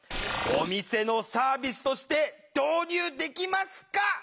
お店のサービスとして導入できますか？